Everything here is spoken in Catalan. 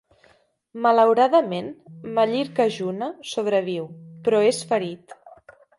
Malauradament, Mallikarjuna sobreviu, però és ferit.